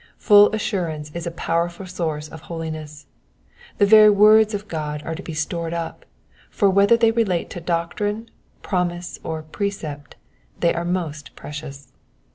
Full assimince is a powerful source of holiness. The very words of God are to be stored up ; for whether they relate to doctrine, promise, or precept, they are most precious.